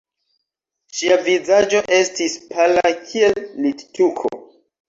Ŝia vizaĝo estis pala kiel littuko.